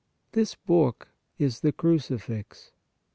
This book is the CRUCIFIX